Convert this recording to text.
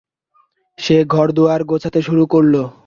সে ঘর-দুয়ার গোছাতে শুরু করল।